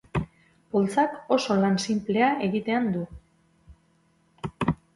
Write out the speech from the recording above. Poltsak oso lan sinplea egitean du.